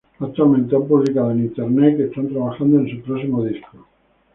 Actualmente han publicado en su myspace que están trabajando en su próximo disco.